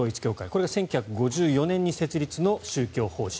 これが１９５４年に設立の宗教法人。